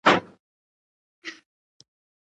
زه د ايمان پر ملاتړ د لېوالتیا پر قدرت باور لرم.